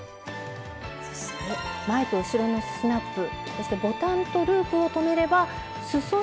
そして前と後ろのスナップそしてボタンとループを留めればすそ